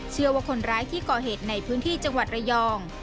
เชื่อว่าคนร้ายที่ก่อเหตุในพื้นที่จังหวัดระยอง